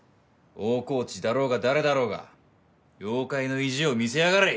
大河内だろうが誰だろうが妖怪の意地を見せやがれ！